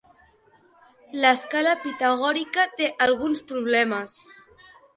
L'escala pitagòrica té alguns problemes.